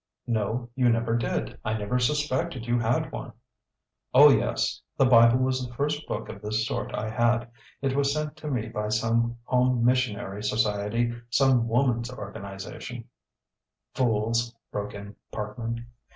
"No. You never did. I never suspected you had one." "Oh yes; the Bible was the first book of this sort I had. It was sent to me by some home missionary society, some woman's organization " "Fools!" broke in Parkman.